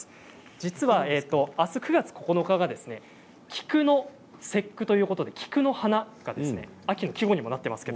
実はあす９月９日が菊の節句ということで、菊の花が秋の季語にもなっています。